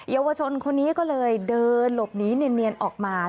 เยาวชนคนนี้ก็เลยเดินหลบหนีเนียนออกมา